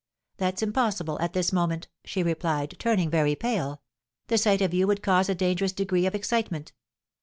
"'That's impossible, at this moment!' she replied, turning very pale; 'the sight of you would cause a dangerous degree of excitement.'